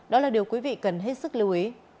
đó là điều quý vị cần hết sức lưu ý